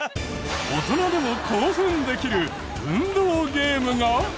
大人でも興奮できる運動ゲームが！